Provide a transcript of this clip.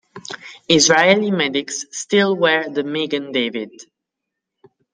Israeli medics still wear the Magen David.